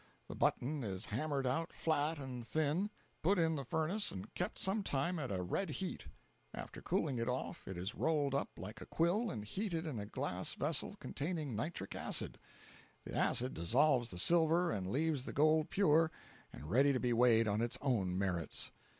The button is hammered out flat and thin, put in the furnace and kept some time at a red heat; after cooling it off it is rolled up like a quill and heated in a glass vessel containing nitric acid; the acid dissolves the silver and leaves the gold pure and ready to be weighed on its own merits.